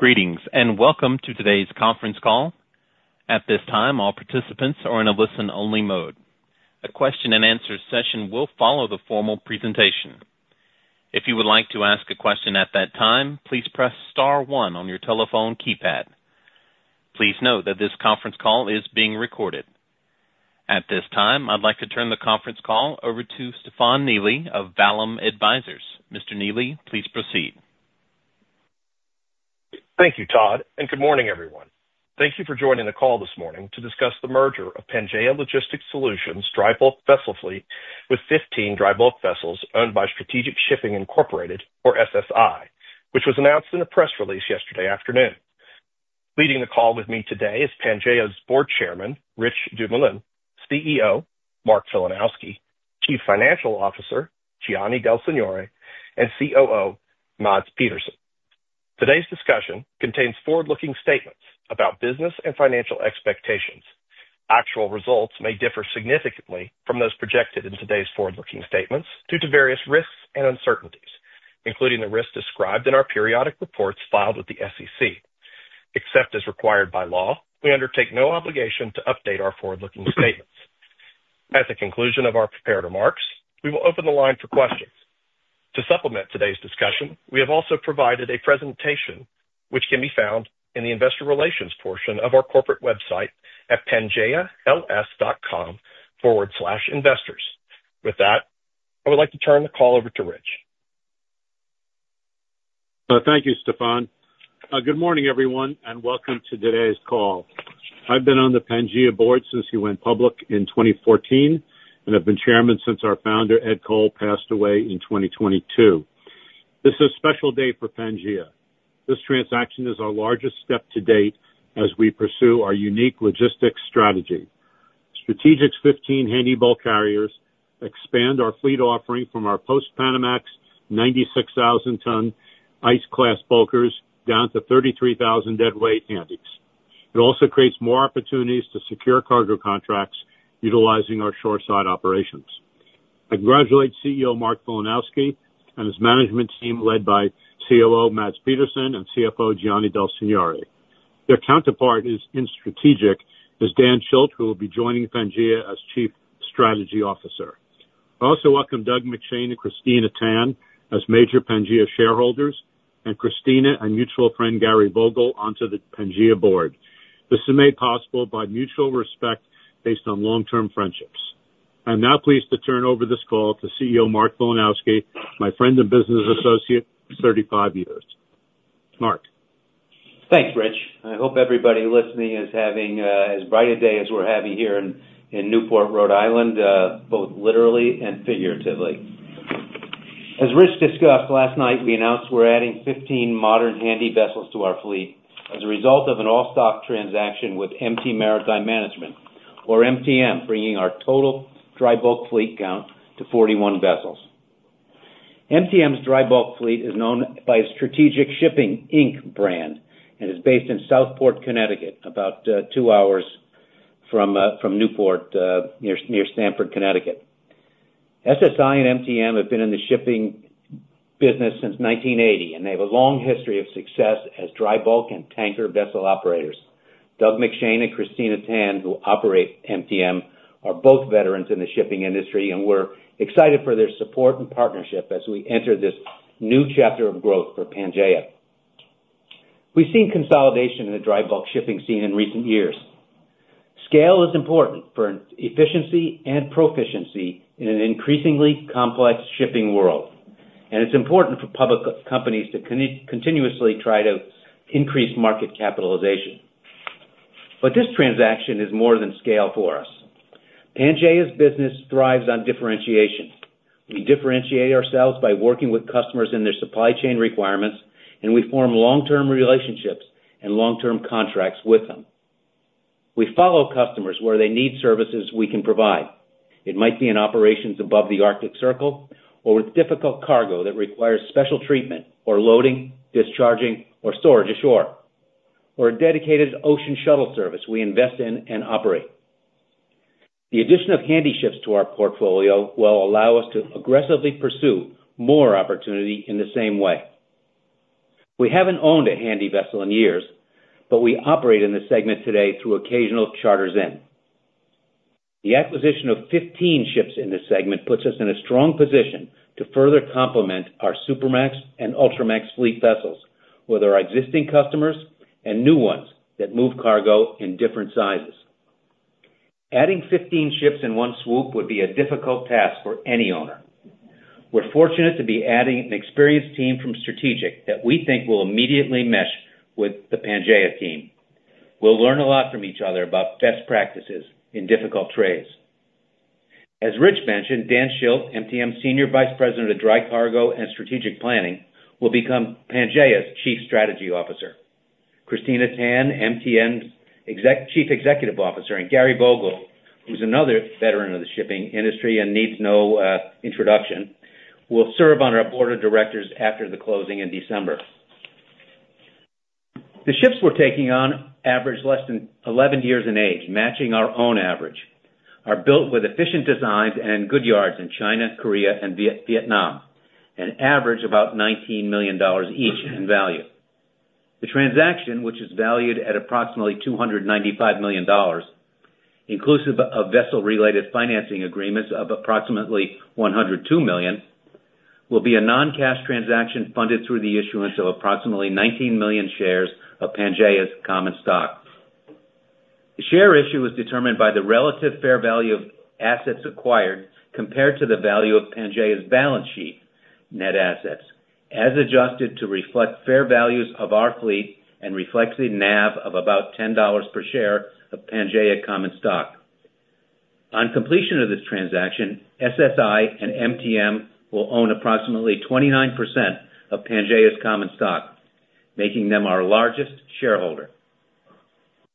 Greetings, and welcome to today's conference call. At this time, all participants are in a listen-only mode. A question-and-answer session will follow the formal presentation. If you would like to ask a question at that time, please press star one on your telephone keypad. Please note that this conference call is being recorded. At this time, I'd like to turn the conference call over to Stefan Neely of Vallum Advisors. Mr. Neely, please proceed. Thank you, Todd, and good morning, everyone. Thank you for joining the call this morning to discuss the merger of Pangaea Logistics Solutions dry bulk vessel fleet with 15 dry bulk vessels owned by Strategic Shipping Incorporated, or SSI, which was announced in a press release yesterday afternoon. Leading the call with me today is Pangaea's Board Chairman, Rich du Moulin, CEO, Mark Filanowski, Chief Financial Officer, Gianni Del Signore, and COO, Mads Petersen. Today's discussion contains forward-looking statements about business and financial expectations. Actual results may differ significantly from those projected in today's forward-looking statements due to various risks and uncertainties, including the risks described in our periodic reports filed with the SEC. Except as required by law, we undertake no obligation to update our forward-looking statements. At the conclusion of our prepared remarks, we will open the line for questions. To supplement today's discussion, we have also provided a presentation which can be found in the investor relations portion of our corporate website at Pangaeals.com/investors. With that, I would like to turn the call over to Rich. Thank you, Stefan. Good morning, everyone, and welcome to today's call. I've been on the Pangaea board since we went public in 2014, and I've been chairman since our founder, Ed Coll, passed away in 2022. This is a special day for Pangaea. This transaction is our largest step to date as we pursue our unique logistics strategy. Strategic's 15 Handy bulk carriers expand our fleet offering from our Post-Panamax, 96,000-ton ice-class bulkers down to 33,000 deadweight Handys. It also creates more opportunities to secure cargo contracts utilizing our shoreside operations. I congratulate CEO Mark Filanowski and his management team, led by COO Mads Petersen and CFO Gianni Del Signore. Their counterpart in Strategic is Dan Schild, who will be joining Pangaea as Chief Strategy Officer. I also welcome Doug MacShane and Christina Tan as major Pangaea shareholders, and Christina and mutual friend Gary Vogel onto the Pangaea board. This is made possible by mutual respect based on long-term friendships. I'm now pleased to turn over this call to CEO Mark Filanowski, my friend and business associate for 35 years. Mark? Thanks, Rich. I hope everybody listening is having as bright a day as we're having here in Newport, Rhode Island, both literally and figuratively. As Rich discussed, last night, we announced we're adding 15 modern Handy vessels to our fleet as a result of an all-stock transaction with MT Maritime Management, or MTM, bringing our total dry bulk fleet count to 41 vessels. MTM's dry bulk fleet is known by Strategic Shipping, Inc. brand and is based in Southport, Connecticut, about two hours from Newport, near Stamford, Connecticut. SSI and MTM have been in the shipping business since 1980, and they have a long history of success as dry bulk and tanker vessel operators. Doug MacShane and Christina Tan, who operate MTM, are both veterans in the shipping industry, and we're excited for their support and partnership as we enter this new chapter of growth for Pangaea. We've seen consolidation in the dry bulk shipping scene in recent years. Scale is important for efficiency and proficiency in an increasingly complex shipping world, and it's important for public companies to continuously try to increase market capitalization. But this transaction is more than scale for us. Pangaea's business thrives on differentiation. We differentiate ourselves by working with customers in their supply chain requirements, and we form long-term relationships and long-term contracts with them. We follow customers where they need services we can provide. It might be in operations above the Arctic Circle or with difficult cargo that requires special treatment or loading, discharging, or storage ashore, or a dedicated ocean shuttle service we invest in and operate. The addition of Handy ships to our portfolio will allow us to aggressively pursue more opportunity in the same way. We haven't owned a Handy vessel in years, but we operate in this segment today through occasional charters in. The acquisition of 15 ships in this segment puts us in a strong position to further complement our Supramax and Ultramax fleet vessels with our existing customers and new ones that move cargo in different sizes. Adding 15 ships in one swoop would be a difficult task for any owner. We're fortunate to be adding an experienced team from Strategic that we think will immediately mesh with the Pangaea team. We'll learn a lot from each other about best practices in difficult trades. As Rich mentioned, Dan Schild, MTM's Senior Vice President of Dry Cargo and Strategic Planning, will become Pangaea's Chief Strategy Officer. Christina Tan, MTM's Chief Executive Officer, and Gary Vogel, who's another veteran of the shipping industry and needs no introduction, will serve on our board of directors after the closing in December. The ships we're taking on average less than 11 years in age, matching our own average, are built with efficient designs and good yards in China, Korea, and Vietnam, and average about $19 million each in value. The transaction, which is valued at approximately $295 million, inclusive of vessel-related financing agreements of approximately $102 million, will be a non-cash transaction funded through the issuance of approximately 19 million shares of Pangaea's common stock. The share issue is determined by the relative fair value of assets acquired compared to the value of Pangaea's balance sheet net assets, as adjusted to reflect fair values of our fleet and reflects a NAV of about $10 per share of Pangaea common stock. On completion of this transaction, SSI and MTM will own approximately 29% of Pangaea's common stock, making them our largest shareholder.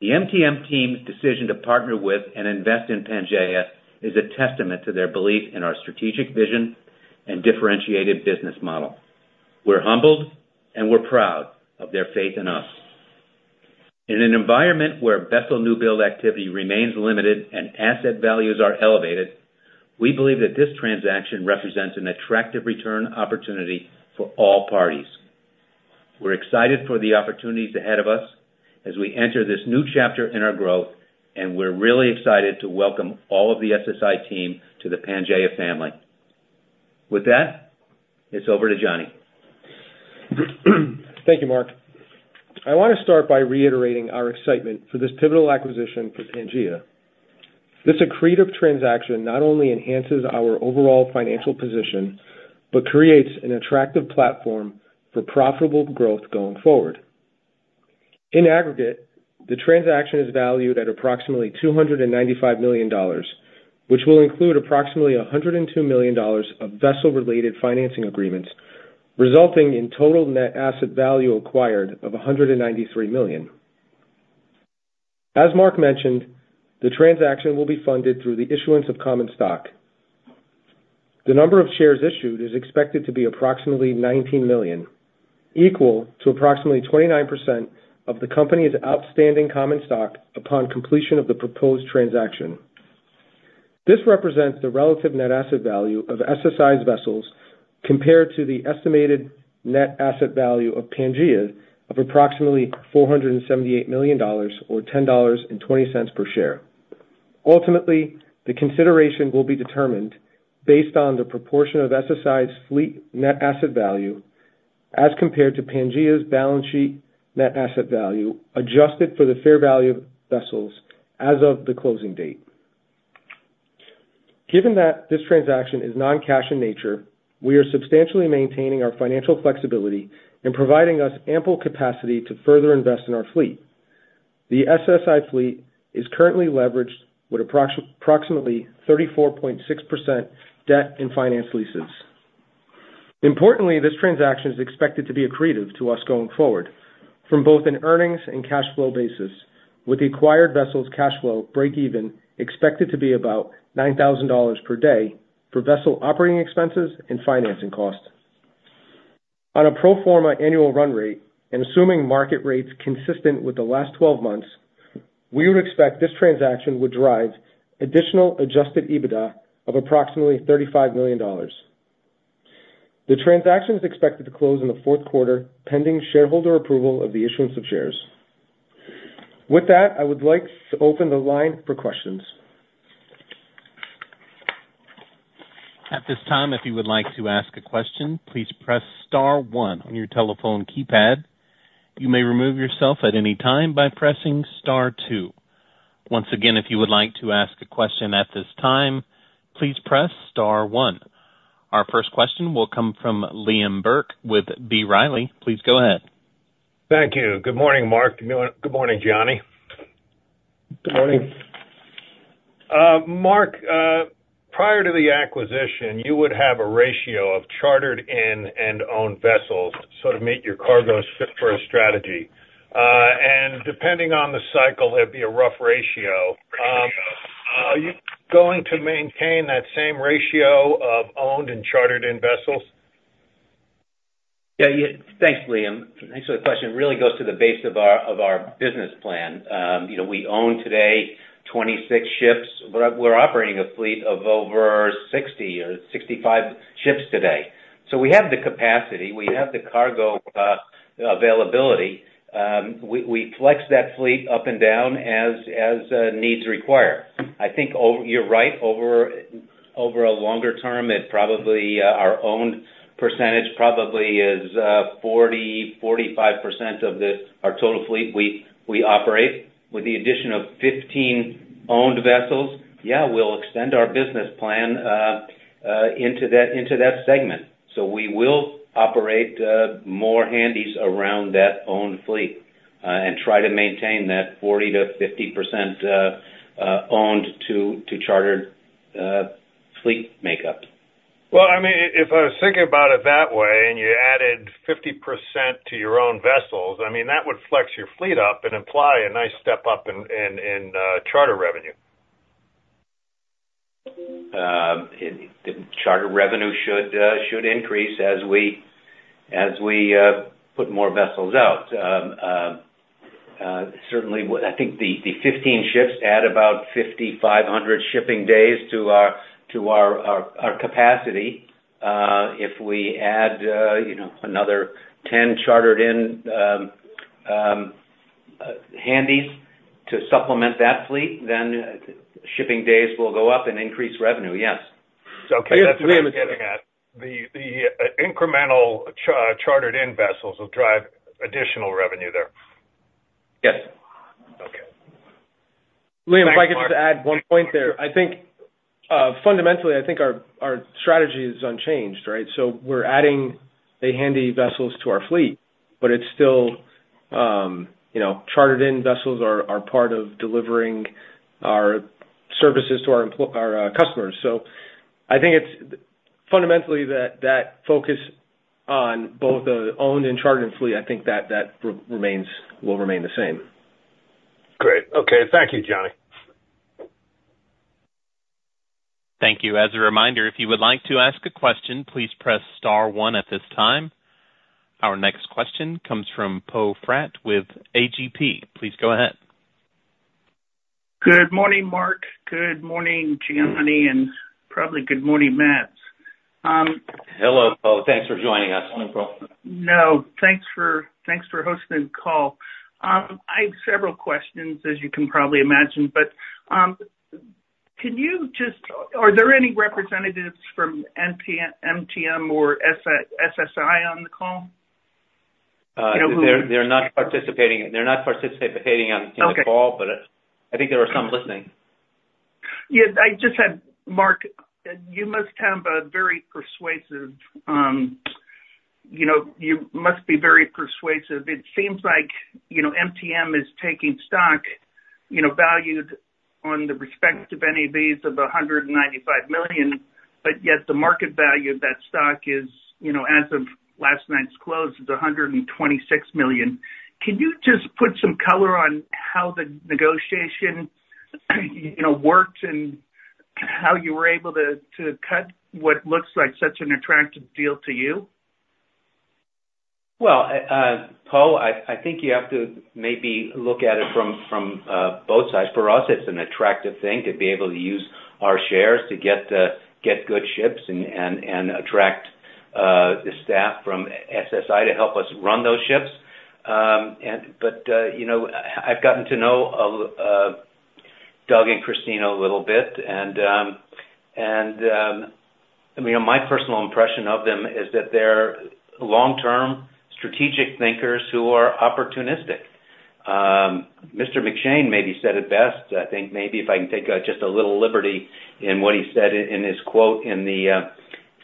The MTM team's decision to partner with and invest in Pangaea is a testament to their belief in our strategic vision and differentiated business model. We're humbled, and we're proud of their faith in us. In an environment where vessel new build activity remains limited and asset values are elevated, we believe that this transaction represents an attractive return opportunity for all parties. We're excited for the opportunities ahead of us as we enter this new chapter in our growth, and we're really excited to welcome all of the SSI team to the Pangaea family. With that, it's over to Gianni. Thank you, Mark. I want to start by reiterating our excitement for this pivotal acquisition for Pangaea. This accretive transaction not only enhances our overall financial position, but creates an attractive platform for profitable growth going forward. In aggregate, the transaction is valued at approximately $295 million, which will include approximately $102 million of vessel-related financing agreements, resulting in total net asset value acquired of $193 million. As Mark mentioned, the transaction will be funded through the issuance of common stock. The number of shares issued is expected to be approximately 19 million, equal to approximately 29% of the company's outstanding common stock upon completion of the proposed transaction. This represents the relative net asset value of SSI's vessels compared to the estimated net asset value of Pangaea of approximately $478 million or $10.20 per share. Ultimately, the consideration will be determined based on the proportion of SSI's fleet net asset value as compared to Pangaea's balance sheet net asset value, adjusted for the fair value of vessels as of the closing date. Given that this transaction is non-cash in nature, we are substantially maintaining our financial flexibility and providing us ample capacity to further invest in our fleet. The SSI fleet is currently leveraged with approximately 34.6% debt and finance leases. Importantly, this transaction is expected to be accretive to us going forward from both an earnings and cash flow basis, with the acquired vessels cash flow breakeven expected to be about $9,000 per day for vessel operating expenses and financing costs. On a pro forma annual run rate and assuming market rates consistent with the last 12 months, we would expect this transaction would drive additional adjusted EBITDA of approximately $35 million. The transaction is expected to close in the fourth quarter, pending shareholder approval of the issuance of shares. With that, I would like to open the line for questions. At this time, if you would like to ask a question, please press star one on your telephone keypad. You may remove yourself at any time by pressing star two. Once again, if you would like to ask a question at this time, please press star one. Our first question will come from Liam Burke with B. Riley. Please go ahead. Thank you. Good morning, Mark. Good morning, Gianni. Good morning. Mark, prior to the acquisition, you would have a ratio of chartered in and owned vessels to sort of meet your cargo fit for a strategy, and depending on the cycle, it'd be a rough ratio. Are you going to maintain that same ratio of owned and chartered in vessels? Yeah, yeah. Thanks, Liam. Thanks for the question. It really goes to the base of our business plan. You know, we own today 26 ships. We're operating a fleet of over 60 or 65 ships today. So we have the capacity, we have the cargo availability. We flex that fleet up and down as needs require. I think over... You're right, over a longer term, it probably our owned percentage probably is 40%-45% of our total fleet we operate. With the addition of 15 owned vessels, yeah, we'll extend our business plan into that segment. So we will operate more Handys around that owned fleet and try to maintain that 40%-50% owned to chartered fleet makeup. I mean, if I was thinking about it that way, and you added 50% to your own vessels, I mean, that would flex your fleet up and imply a nice step up in charter revenue. The charter revenue should increase as we put more vessels out. Certainly, I think the 15 ships add about 5,500 shipping days to our capacity. If we add, you know, another 10 chartered-in Handys to supplement that fleet, then shipping days will go up and increase revenue, yes. So that's what I'm getting at. The incremental chartered-in vessels will drive additional revenue there? Yes. Okay. Liam, if I could just add one point there. I think, fundamentally, I think our strategy is unchanged, right? So we're adding the Handy vessels to our fleet, but it's still, you know, chartered-in vessels are part of delivering our services to our customers. So I think it's fundamentally that focus on both owned and chartered in fleet, I think that remains, will remain the same. Great. Okay. Thank you, Gianni. Thank you. As a reminder, if you would like to ask a question, please press star one at this time. Our next question comes from Poe Fratt with AGP. Please go ahead. Good morning, Mark. Good morning, Gianni, and probably good morning, Mads. Hello, Poe. Thanks for joining us on the call. No, thanks for hosting the call. I have several questions, as you can probably imagine, but are there any representatives from MTM or SSI on the call? They're not participating on the call- Okay. - but I think there are some listening. Mark, you must have a very persuasive, you know, you must be very persuasive. It seems like, you know, MTM is taking stock, you know, valued on the respective NAVs of $195 million, but yet the market value of that stock is, you know, as of last night's close, $126 million. Can you just put some color on how the negotiation, you know, worked and how you were able to cut what looks like such an attractive deal to you? Poe, I think you have to maybe look at it from both sides. For us, it's an attractive thing to be able to use our shares to get good ships and attract the staff from SSI to help us run those ships. And but you know, I've gotten to know Doug and Christina a little bit, and you know, my personal impression of them is that they're long-term strategic thinkers who are opportunistic. Mr. MacShane maybe said it best. I think maybe if I can take just a little liberty in what he said in his quote in the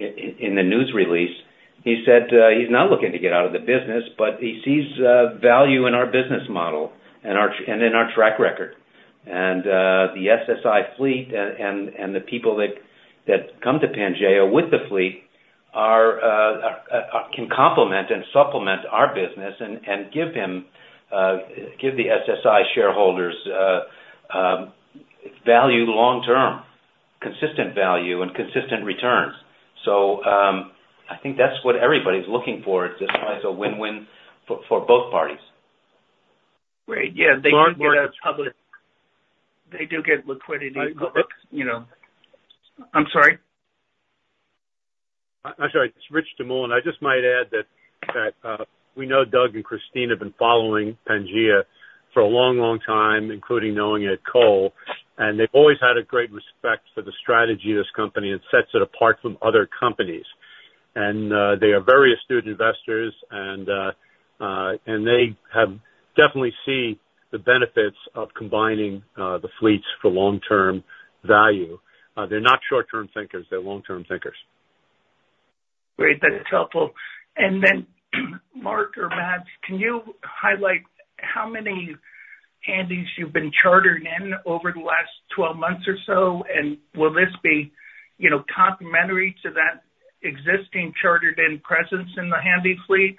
news release. He said he's not looking to get out of the business, but he sees value in our business model and in our track record, and the SSI fleet and the people that come to Pangaea with the fleet can complement and supplement our business and give the SSI shareholders value long term, consistent value and consistent returns, so I think that's what everybody's looking for. It's a win-win for both parties. Great. Yeah, they do get public- Mark? They do get liquidity, you know. I'm sorry? I'm sorry. It's Rich du Moulin. I just might add that we know Doug and Christina have been following Pangaea for a long, long time, including knowing Ed Coll, and they've always had a great respect for the strategy of this company that sets it apart from other companies. And they are very astute investors, and they definitely see the benefits of combining the fleets for long-term value. They're not short-term thinkers. They're long-term thinkers. Great, that's helpful. And then, Mark or Mads, can you highlight how many Handys you've been chartered in over the last twelve months or so, and will this be, you know, complementary to that existing chartered-in presence in the Handy fleet?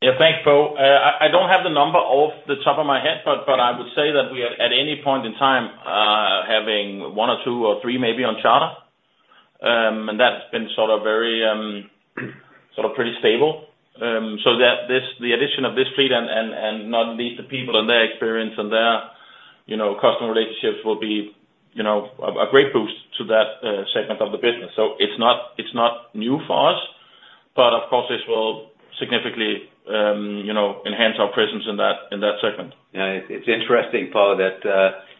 Yeah, thanks, Poe. I don't have the number off the top of my head, but I would say that we are, at any point in time, having one or two or three maybe on charter. And that's been sort of very sort of pretty stable. So that this, the addition of this fleet and not least the people and their experience and their, you know, customer relationships will be, you know, a great boost to that segment of the business. So it's not new for us, but of course, this will significantly enhance our presence in that segment. Yeah, it's interesting, Poe, that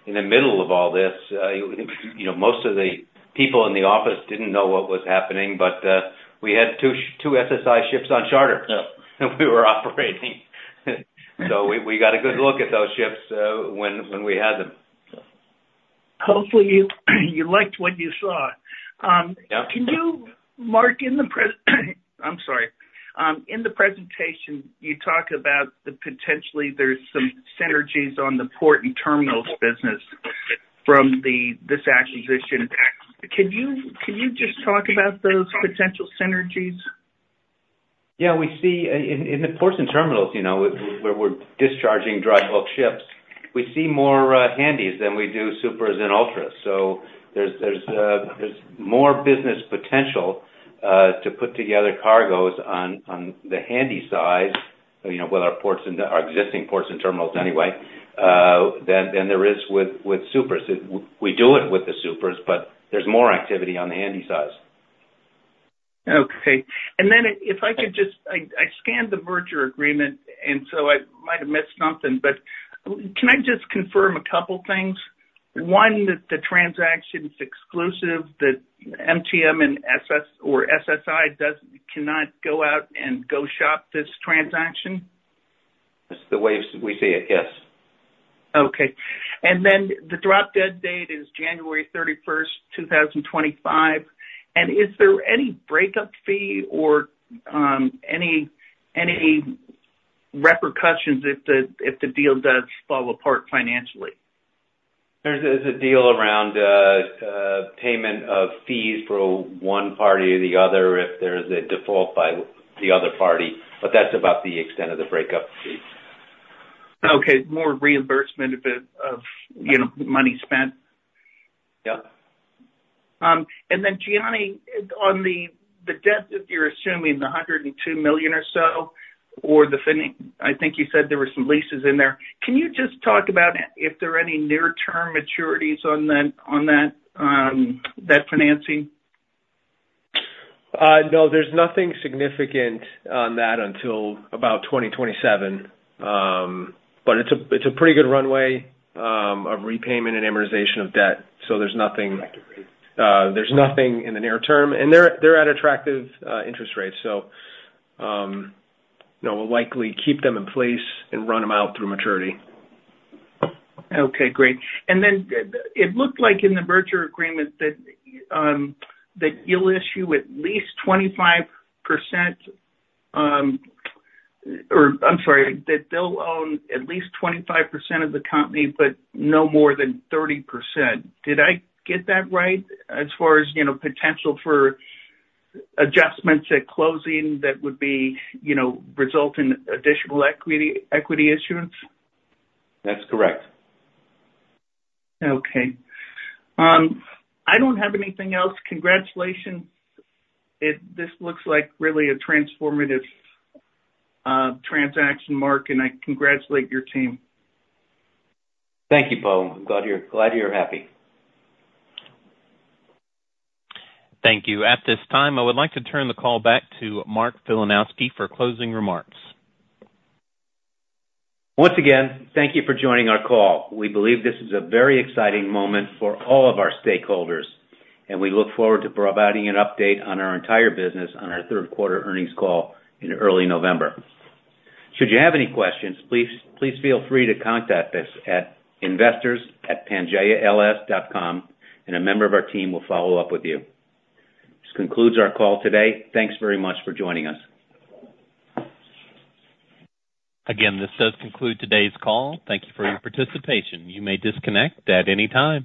in the middle of all this, you know, most of the people in the office didn't know what was happening, but we had two SSI ships on charter. Yeah. We were operating. So we got a good look at those ships, when we had them. Hopefully, you liked what you saw. Yeah. Can you, Mark, I'm sorry. In the presentation, you talk about the potentially there's some synergies on the port and terminals business from this acquisition. Can you just talk about those potential synergies? .Yeah, we see in the ports and terminals, you know, where we're discharging dry bulk ships, we see more Handys than we do Supras and Ultras. So there's more business potential to put together cargoes on the Handysize, you know, with our ports and our existing ports and terminals anyway, than there is with Supras. We do it with the Supras, but there's more activity on the Handysize. Okay. And then if I could just, I scanned the merger agreement, and so I might have missed something, but can I just confirm a couple things? One, that the transaction is exclusive, that MTM and SS or SSI cannot go out and go shop this transaction. That's the way we see it, yes. Okay. And then the drop-dead date is January 31st, 2025. And is there any breakup fee or any repercussions if the deal does fall apart financially? There's a deal around payment of fees for one party or the other if there's a default by the other party, but that's about the extent of the breakup fee. Okay, more reimbursement of the, you know, money spent. Yeah. And then Gianni, on the debt that you're assuming, the $102 million or so. I think you said there were some leases in there. Can you just talk about if there are any near-term maturities on that, that financing? No, there's nothing significant on that until about 2027. But it's a pretty good runway of repayment and amortization of debt, so there's nothing in the near term, and they're at attractive interest rates, so you know, we'll likely keep them in place and run them out through maturity. Okay, great. And then it looked like in the merger agreement that you'll issue at least 25%, or I'm sorry, that they'll own at least 25% of the company, but no more than 30%. Did I get that right, as far as, you know, potential for adjustments at closing that would be, you know, result in additional equity issuance? That's correct. Okay. I don't have anything else. Congratulations. This looks like really a transformative transaction, Mark, and I congratulate your team. Thank you, Poe. I'm glad you're happy. Thank you. At this time, I would like to turn the call back to Mark Filanowski for closing remarks. Once again, thank you for joining our call. We believe this is a very exciting moment for all of our stakeholders, and we look forward to providing an update on our entire business on our third quarter earnings call in early November. Should you have any questions, please, please feel free to contact us at investors@pangaeals.com, and a member of our team will follow up with you. This concludes our call today. Thanks very much for joining us. Again, this does conclude today's call. Thank you for your participation. You may disconnect at any time.